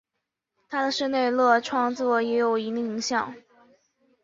他的室内乐创作也有一定影响。